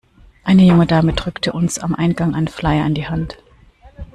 Eine junge Dame drückte uns am Eingang einen Flyer in die Hand.